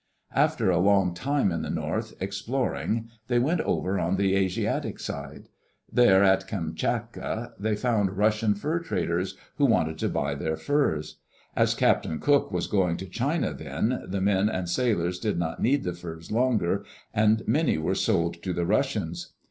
After a long time in the north, exploring, they went over on the Asiatic side. There, at Kamschatka, they found Russian fur traders who wanted to buy their furs. As Captain Cook was going to China then, the men and sailors did not need the furs longer and many were sold to the Russians.